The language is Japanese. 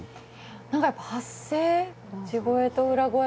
何かやっぱ発声